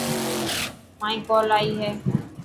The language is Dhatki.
مائي ڪول آئي هي.